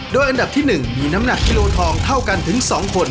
โดยอันดับที่๑มีน้ำหนักกิโลทองเท่ากันถึง๒คน